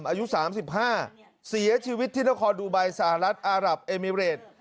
อายุสามสิบห้าเสียชีวิตที่ละครดูไบสหรัฐอารับเอมิเรต